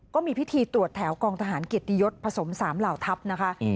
ก็มีพิธีตรวจแถวกองทหารเกียรติยศพ๓เหล่าทัพนะคะ